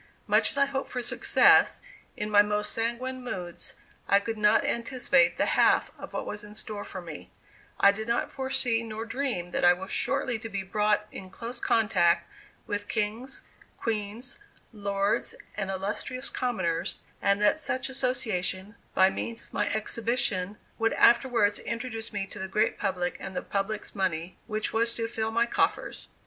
Much as I hoped for success, in my most sanguine moods, I could not anticipate the half of what was in store for me; I did not foresee nor dream that I was shortly to be brought in close contact with kings, queens, lords and illustrious commoners, and that such association, by means of my exhibition, would afterwards introduce me to the great public and the public's money, which was to fill my coffers.